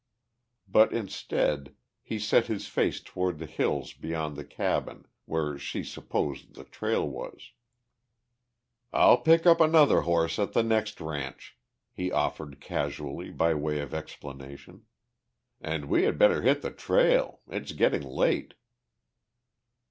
But instead he set his face toward the hills beyond the cabin, where she supposed the trail was. "I'll pick up another horse at the next ranch," he offered casually by way of explanation. "And we had better hit the trail. It's getting late."